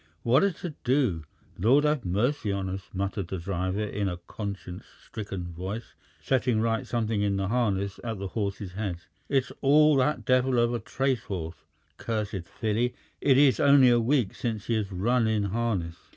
"What a to do! Lord have mercy on us!" muttered the driver in a conscience stricken voice, setting right something in the harness at the horses' heads. "It's all that devil of a tracehorse. Cursed filly; it is only a week since she has run in harness.